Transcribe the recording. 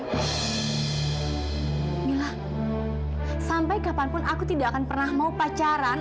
bila sampai kapanpun aku tidak akan pernah mau pacaran